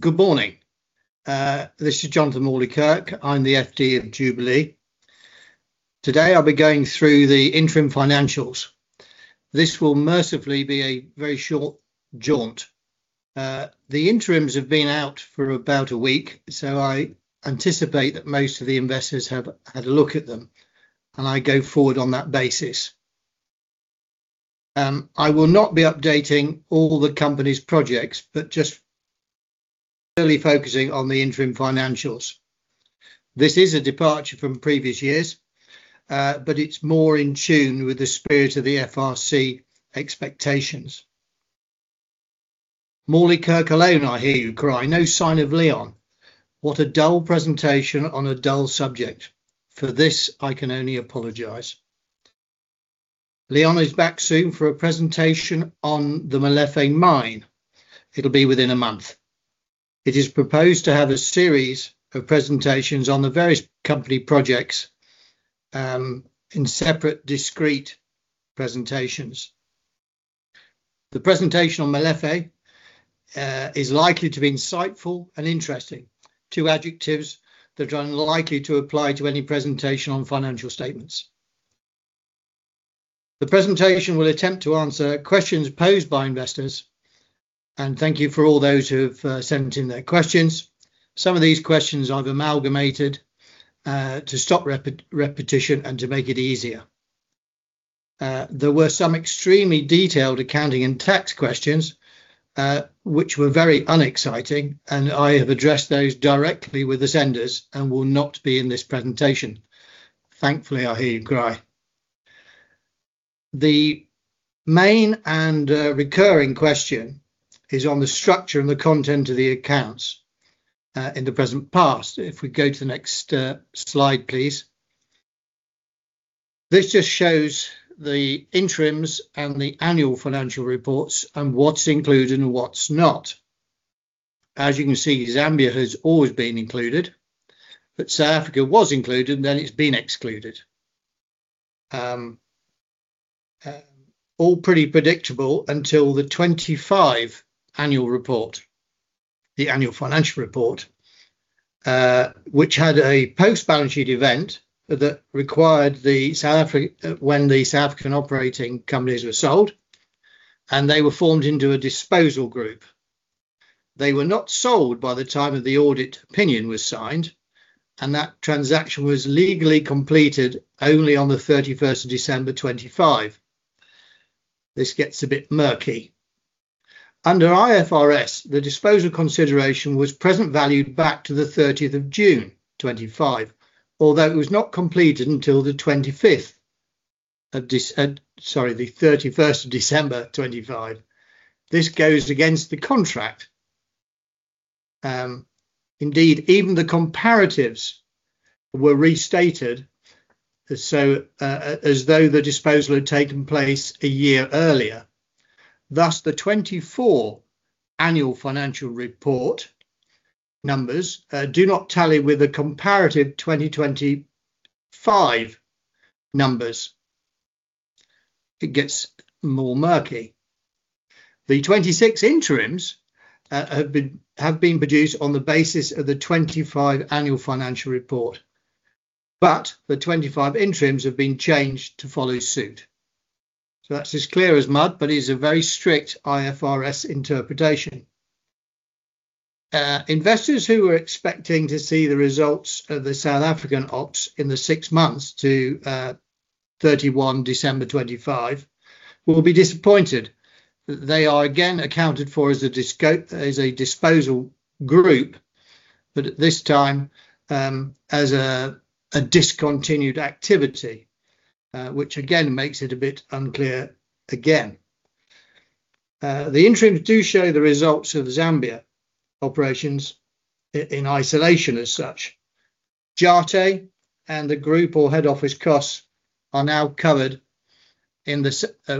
Good morning. This is Jonathan Morley-Kirk. I'm the FD of Jubilee. Today, I'll be going through the interim financials. This will mercifully be a very short jaunt. The interims have been out for about a week, so I anticipate that most of the investors have had a look at them, and I go forward on that basis. I will not be updating all the company's projects, but just really focusing on the interim financials. This is a departure from previous years, but it's more in tune with the spirit of the FRC expectations. "Morley Kirk alone," I hear you cry. "No sign of Leon". What a dull presentation on a dull subject! For this, I can only apologize. Leon is back soon for a presentation on the Molefe mine. It'll be within a month. It is proposed to have a series of presentations on the various company projects in separate, discrete presentations. The presentation on Molefe is likely to be insightful and interesting, two adjectives that are unlikely to apply to any presentation on financial statements. The presentation will attempt to answer questions posed by investors. Thank you for all those who have sent in their questions. Some of these questions I've amalgamated to stop repetition and to make it easier. There were some extremely detailed accounting and tax questions, which were very unexciting, and I have addressed those directly with the senders and will not be in this presentation. "Thankfully," I hear you cry. The main and recurring question is on the structure and the content of the accounts in the present and past. If we go to the next slide, please. This just shows the interims and the annual financial reports and what's included and what's not. As you can see, Zambia has always been included, but South Africa was included and then it's been excluded. All pretty predictable until the 2025 annual report. The annual financial report which had a post-balance sheet event that required when the South African operating companies were sold, and they were formed into a disposal group. They were not sold by the time that the audit opinion was signed, and that transaction was legally completed only on the 31st of December 2025. This gets a bit murky. Under IFRS, the disposal consideration was present valued back to the 30th of June 2025, although it was not completed until the 31st of December 2025. This goes against the contract. Indeed, even the comparatives were restated as though the disposal had taken place a year earlier. Thus, the 2024 annual financial report numbers do not tally with the comparative 2025 numbers. It gets more murky. The 2026 interims have been produced on the basis of the 2025 annual financial report, but the 2025 interims have been changed to follow suit. That's as clear as mud, but is a very strict IFRS interpretation. Investors who were expecting to see the results of the South African ops in the six months to 31 December 2025 will be disappointed that they are again accounted for as a disposal group, but this time as a discontinued activity which again makes it a bit unclear again. The interims do show the results of Zambian operations in isolation as such. Tjate and the group or head office costs,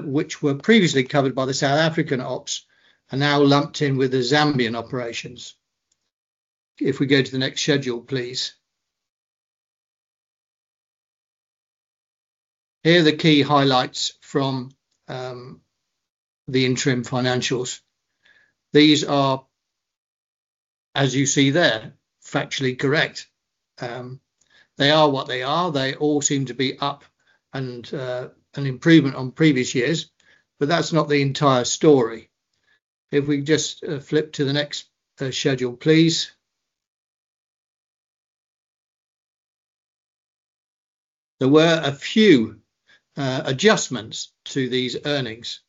which were previously covered by the South African ops, are now lumped in with the Zambian operations. If we go to the next schedule, please. Here are the key highlights from the interim financials. These are, as you see there, factually correct. They are what they are. They all seem to be up and an improvement on previous years. That's not the entire story. If we just flip to the next schedule, please. There were a few adjustments to these earnings.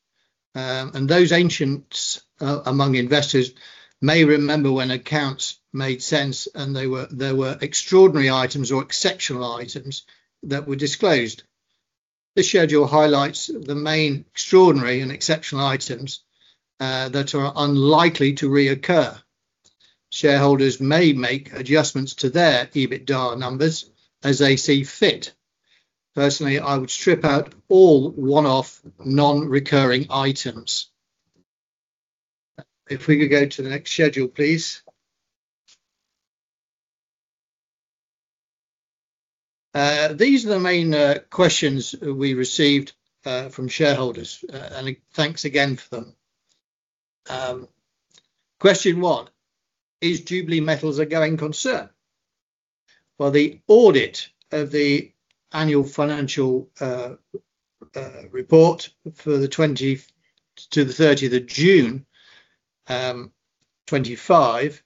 Those ancients among investors may remember when accounts made sense, and there were extraordinary items or exceptional items that were disclosed. This schedule highlights the main extraordinary and exceptional items that are unlikely to reoccur. Shareholders may make adjustments to their EBITDA numbers as they see fit. Personally, I would strip out all one-off, non-recurring items. If we could go to the next schedule, please. These are the main questions we received from shareholders, and thanks again for them. Question one: Is Jubilee Metals a going concern? The audit of the annual financial report to the 30th of June 2025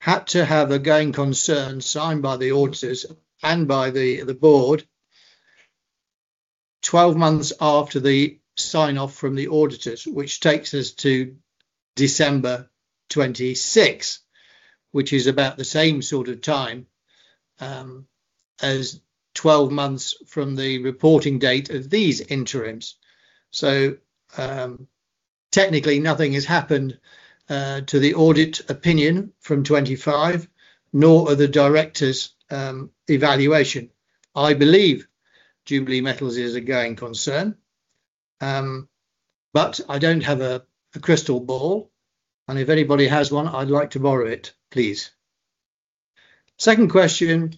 had to have a going concern signed by the auditors and by the board 12 months after the sign-off from the auditors, which takes us to December 2026, which is about the same sort of time as 12 months from the reporting date of these interims. Technically, nothing has happened to the audit opinion from 2025, nor are the directors' evaluation. I believe Jubilee Metals is a going concern, but I don't have a crystal ball, and if anybody has one, I'd like to borrow it, please. Second question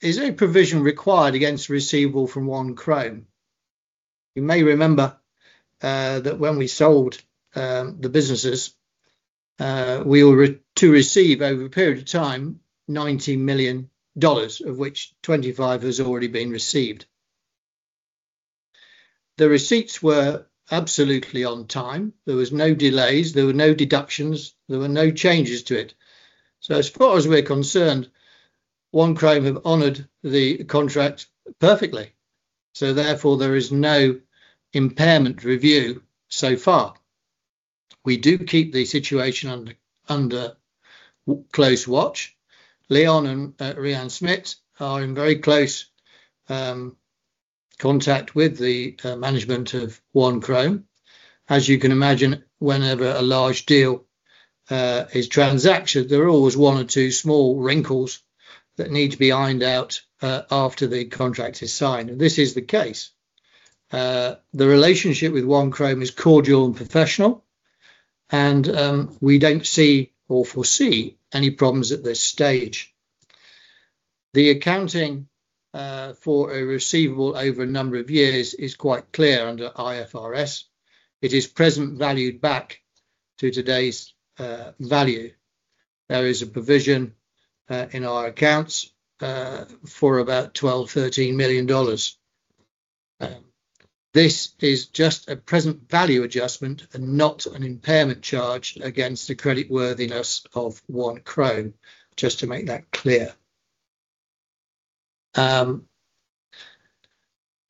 is: Is a provision required against the receivable from One Chrome? You may remember that when we sold the businesses, we were to receive, over a period of time, $90 million, of which $25 million has already been received. The receipts were absolutely on time. There was no delays. There were no deductions. There were no changes to it. As far as we're concerned, One Chrome have honored the contract perfectly, so therefore, there is no impairment review so far. We do keep the situation under close watch. Leon and Rian Smit are in very close contact with the management of One Chrome. As you can imagine, whenever a large deal is transacted, there are always one or two small wrinkles that need to be ironed out after the contract is signed, and this is the case. The relationship with One Chrome is cordial and professional, and we don't see or foresee any problems at this stage. The accounting for a receivable over a number of years is quite clear under IFRS. It is present valued back to today's value. There is a provision in our accounts for about $12-$13 million. This is just a present value adjustment and not an impairment charge against the creditworthiness of One Chrome, just to make that clear.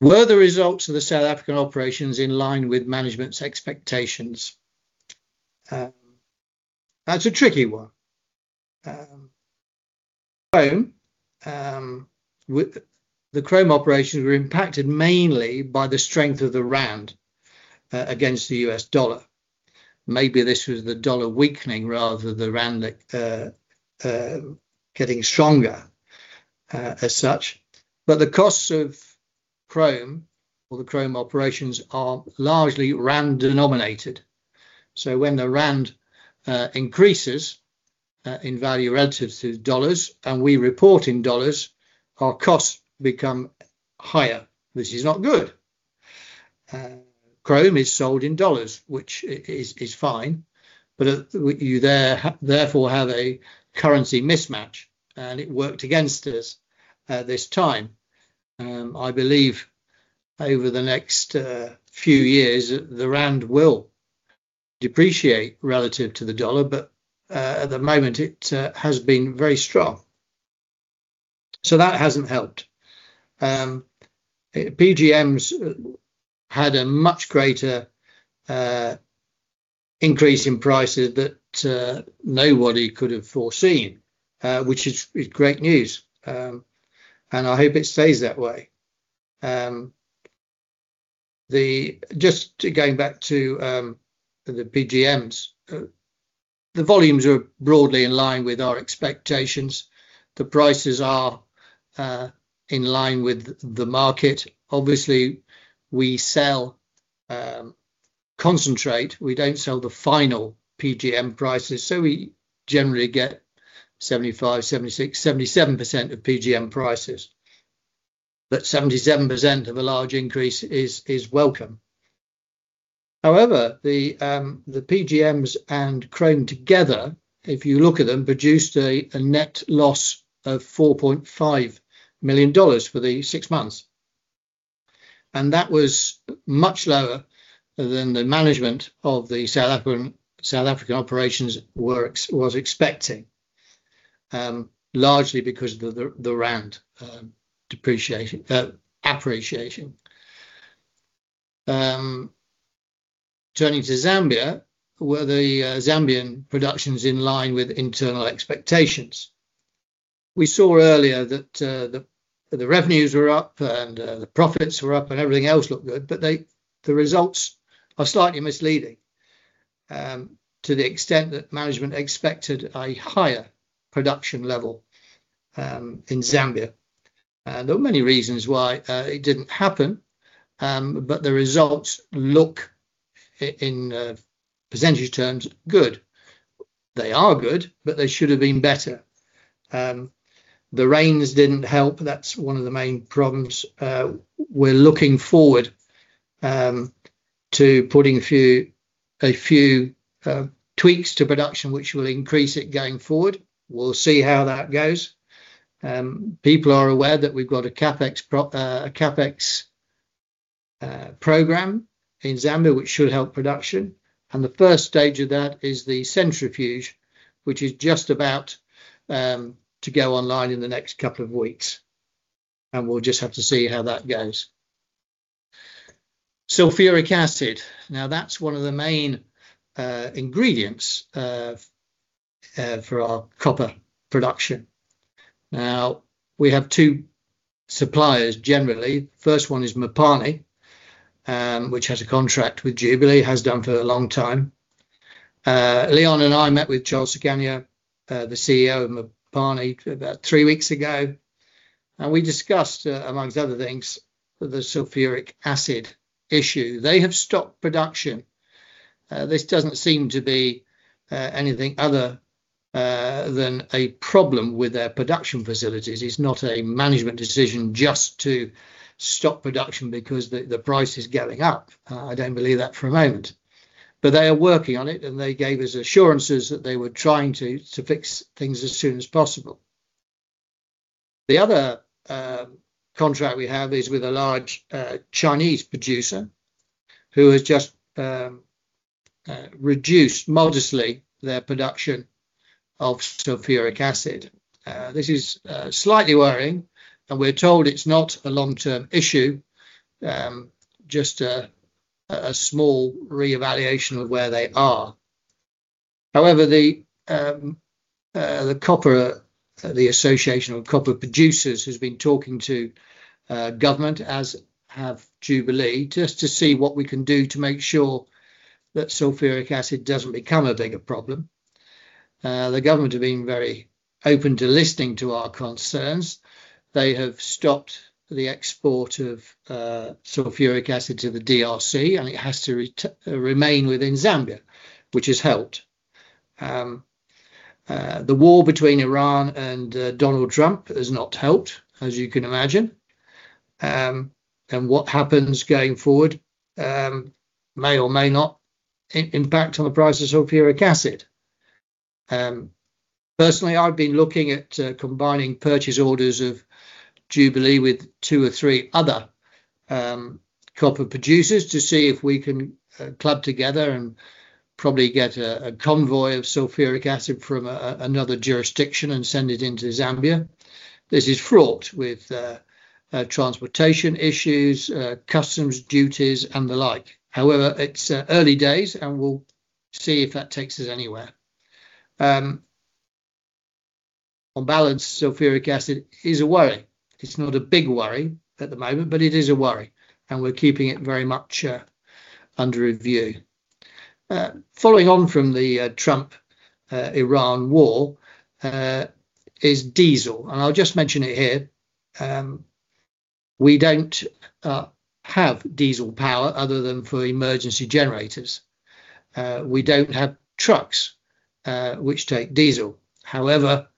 Were the results of the South African operations in line with management's expectations? That's a tricky one. The chrome operations were impacted mainly by the strength of the rand against the US dollar. Maybe this was the dollar weakening rather than the rand getting stronger as such. The costs of chrome or the chrome operations are largely Rand denominated. When the rand increases in value relative to dollars and we report in dollars, our costs become higher. This is not good. Chrome is sold in dollars, which is fine, but you therefore have a currency mismatch, and it worked against us at this time. I believe over the next few years, the rand will depreciate relative to the dollar, but at the moment it has been very strong. That hasn't helped. PGMs had a much greater increase in prices that nobody could have foreseen, which is great news, and I hope it stays that way. Just going back to the PGMs, the volumes are broadly in line with our expectations. The prices are in line with the market. Obviously, we sell concentrate. We don't sell the final PGMs prices, so we generally get 75%, 76%, 77% of PGMs prices, but 77% of a large increase is welcome. However, the PGMs and chrome together, if you look at them, produced a net loss of $4.5 million for the six months, and that was much lower than the management of the South African operations was expecting, largely because of the Rand appreciation. Turning to Zambia, were the Zambian productions in line with internal expectations? We saw earlier that the revenues were up, and the profits were up, and everything else looked good, but the results are slightly misleading to the extent that management expected a higher production level in Zambia. There are many reasons why it didn't happen, but the results look, in percentage terms, good. They are good, but they should have been better. The rains didn't help. That's one of the main problems. We're looking forward to putting a few tweaks to production, which will increase it going forward. We'll see how that goes. People are aware that we've got a CapEx program in Zambia which should help production, and the first stage of that is the centrifuge, which is just about to go online in the next couple of weeks, and we'll just have to see how that goes. Sulfuric acid, now that's one of the main ingredients for our copper production. Now, we have two suppliers generally. First one is Mopani, which has a contract with Jubilee, has done for a long time. Leon and I met with Charles Sakanya, the CEO of Mopani, about three weeks ago, and we discussed, amongst other things, the sulfuric acid issue. They have stopped production. This doesn't seem to be anything other than a problem with their production facilities. It's not a management decision just to stop production because the price is going up. I don't believe that for a moment. They are working on it, and they gave us assurances that they were trying to fix things as soon as possible. The other contract we have is with a large Chinese producer who has just reduced modestly their production of sulfuric acid. This is slightly worrying, and we're told it's not a long-term issue, just a small reevaluation of where they are. However, the Association of Copper Producers has been talking to government, as have Jubilee, just to see what we can do to make sure that sulfuric acid doesn't become a bigger problem. The government have been very open to listening to our concerns. They have stopped the export of sulfuric acid to the DRC, and it has to remain within Zambia, which has helped. The war between Iran and Donald Trump has not helped, as you can imagine, and what happens going forward may or may not impact on the price of sulfuric acid. Personally, I've been looking at combining purchase orders of Jubilee with two or three other copper producers to see if we can club together and probably get a convoy of sulfuric acid from another jurisdiction and send it into Zambia. This is fraught with transportation issues, customs duties, and the like. However, it's early days, and we'll see if that takes us anywhere. On balance, sulfuric acid is a worry. It's not a big worry at the moment, but it is a worry, and we're keeping it very much under review. Following on from the Trump-Iran war is diesel, and I'll just mention it here. We don't have diesel power other than for emergency generators. We don't have trucks which take diesel. However,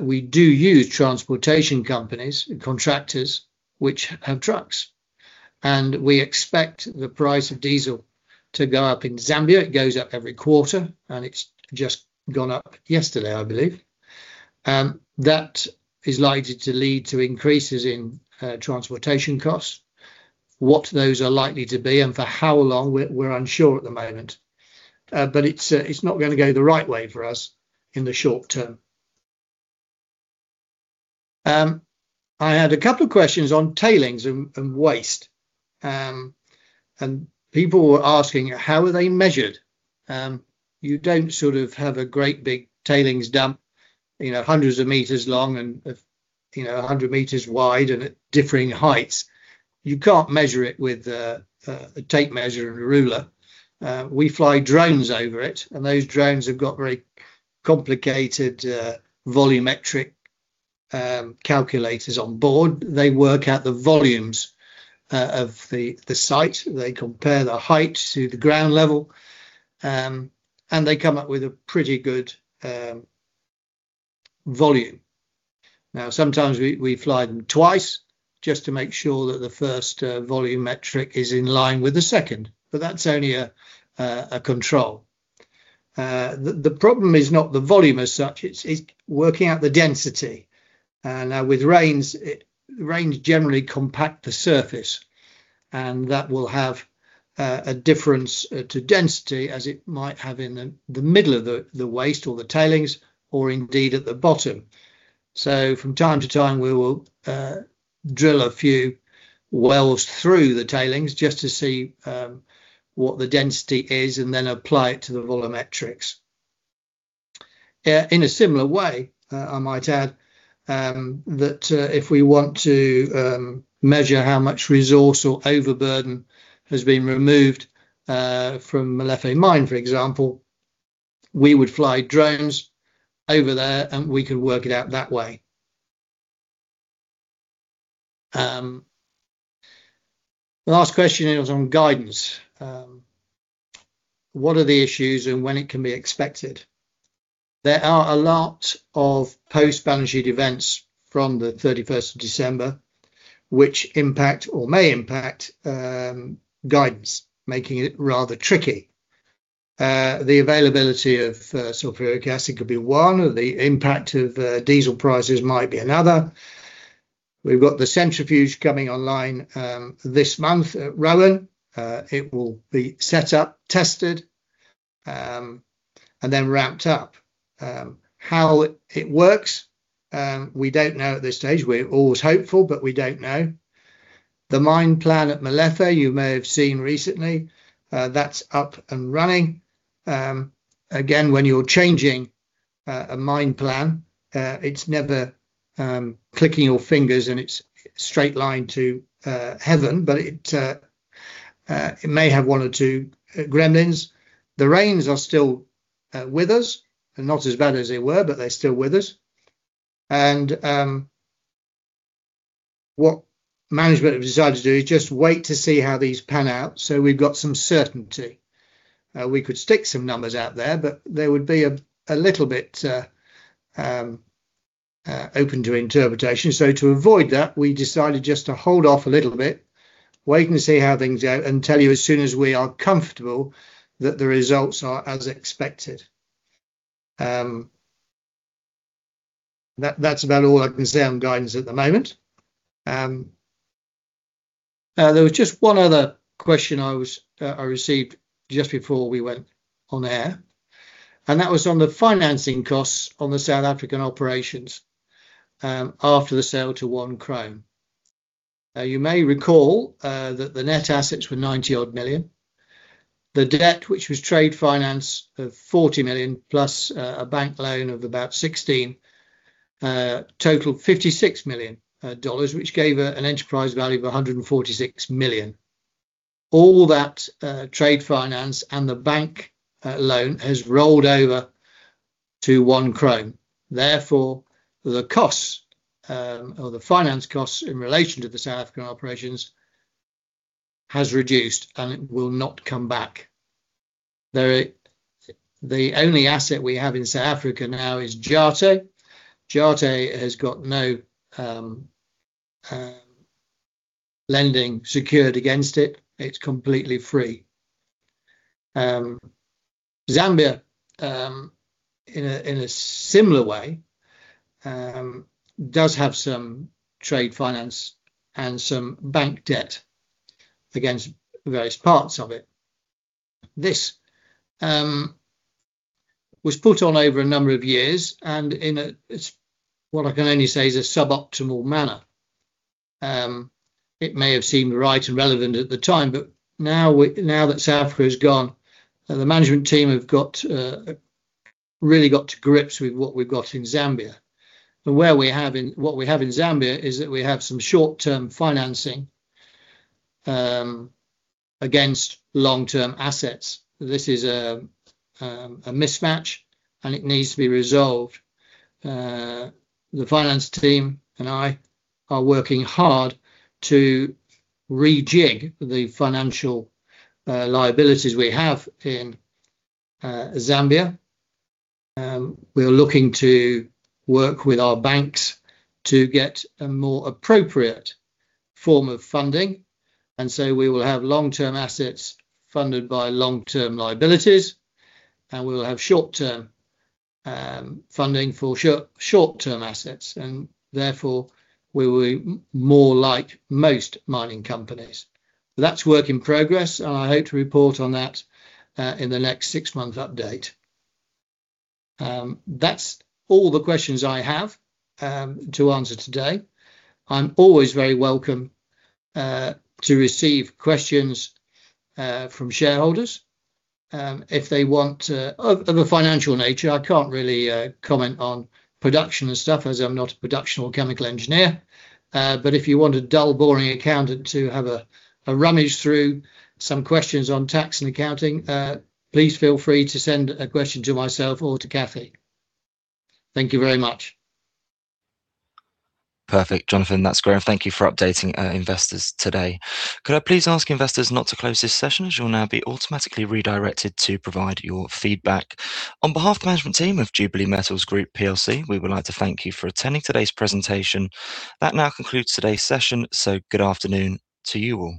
we do use transportation companies, contractors which have trucks, and we expect the price of diesel to go up in Zambia. It goes up every quarter, and it's just gone up yesterday, I believe. That is likely to lead to increases in transportation costs. What those are likely to be and for how long, we're unsure at the moment. It's not going to go the right way for us in the short term. I had a couple of questions on tailings and waste, and people were asking how are they measured. You don't sort of have a great big tailings dump hundreds of meters long and 100 meters wide and at differing heights. You can't measure it with a tape measure and a ruler. We fly drones over it, and those drones have got very complicated volumetric calculators on board. They work out the volumes of the site. They compare the height to the ground level, and they come up with a pretty good volume. Now, sometimes we fly them twice just to make sure that the first volumetric is in line with the second, but that's only a control. The problem is not the volume as such, it's working out the density. Now, with rains generally compact the surface, and that will have a difference to density as it might have in the middle of the waste or the tailings or indeed at the bottom. So from time to time, we will drill a few wells through the tailings just to see what the density is and then apply it to the volumetrics. In a similar way, I might add, that if we want to measure how much resource or overburden has been removed from Molefe Mine, for example, we would fly drones over there, and we could work it out that way. The last question is on guidance. What are the issues and when it can be expected? There are a lot of post-balance sheet events from the 31st of December which impact or may impact guidance, making it rather tricky. The availability of sulfuric acid could be one. The impact of diesel prices might be another. We've got the centrifuge coming online this month at Roan. It will be set up, tested, and then ramped up. How it works, we don't know at this stage. We're always hopeful, but we don't know. The mine plan at Molefe you may have seen recently. That's up and running. Again, when you're changing a mine plan, it's never clicking your fingers and it's straight line to heaven, but it may have one or two gremlins. The rains are still with us, and not as bad as they were, but they're still with us. What management have decided to do is just wait to see how these pan out so we've got some certainty. We could stick some numbers out there, but they would be a little bit open to interpretation. To avoid that, we decided just to hold off a little bit, wait and see how things go and tell you as soon as we are comfortable that the results are as expected. That's about all I can say on guidance at the moment. There was just one other question I received just before we went on air, and that was on the financing costs on the South African operations after the sale to One Chrome. Now, you may recall that the net assets were $90-odd million. The debt, which was trade finance of $40 million plus a bank loan of about $16 million, totaled $56 million, which gave an enterprise value of $146 million. All that trade finance and the bank loan has rolled over to One Chrome. Therefore, the costs, or the finance costs in relation to the South African operations, has reduced and it will not come back. The only asset we have in South Africa now is Tjate. Tjate has got no lending secured against it. It's completely free. Zambia, in a similar way, does have some trade finance and some bank debt against various parts of it. This was put on over a number of years, and in what I can only say is a suboptimal manner. It may have seemed right and relevant at the time, but now that South Africa has gone, the management team have really got to grips with what we've got in Zambia. What we have in Zambia is that we have some short-term financing against long-term assets. This is a mismatch, and it needs to be resolved. The finance team and I are working hard to rejig the financial liabilities we have in Zambia. We are looking to work with our banks to get a more appropriate form of funding, and so we will have long-term assets funded by long-term liabilities, and we will have short-term funding for short-term assets, and therefore we will be more like most mining companies. That's work in progress, and I hope to report on that in the next six-month update. That's all the questions I have to answer today. I'm always very welcome to receive questions from shareholders if they want. Of a financial nature, I can't really comment on production and stuff as I'm not a production or chemical engineer. If you want a dull, boring accountant to have a rummage through some questions on tax and accounting, please feel free to send a question to myself or to Kathy. Thank you very much. Perfect, Jonathan. That's great, and thank you for updating our investors today. Could I please ask investors not to close this session as you'll now be automatically redirected to provide your feedback. On behalf of the management team of Jubilee Metals Group PLC, we would like to thank you for attending today's presentation. That now concludes today's session, so good afternoon to you all.